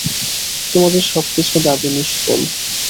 তোমাদের সব কিছু দাবী নিষ্ফল।